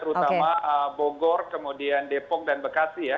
terutama bogor kemudian depok dan bekasi ya